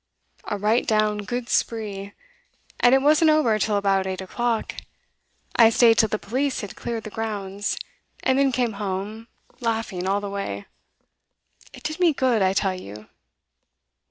'A right down good spree. And it wasn't over till about eight o'clock. I stayed till the police had cleared the grounds, and then came home, laughing all the way. It did me good, I tell you!